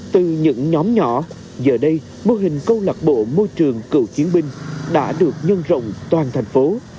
từ những nhóm nhỏ giờ đây mô hình câu lạc bộ môi trường cựu chiến binh đã được nhân rộng toàn thành phố